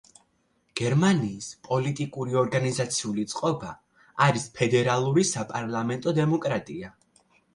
გერმანიის პოლიტიკური ორგანიზაციული წყობა არის ფედერალური საპარლამენტო დემოკრატია.